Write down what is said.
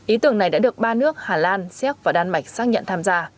ý tưởng này đã được ba nước hà lan xéc và đan mạch xác nhận tham gia